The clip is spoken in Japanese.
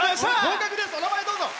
お名前、どうぞ。